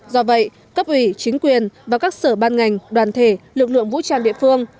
do vậy cấp ủy chính quyền và các sở ban ngành đoàn thể lực lượng vũ trang địa phương